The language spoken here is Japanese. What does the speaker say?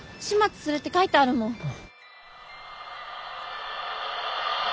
「始末する」って書いてあるもん。